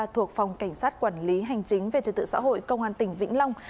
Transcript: thuộc phòng cảnh sát quản lý hành chính về trật tự xã hội công an tỉnh vĩnh long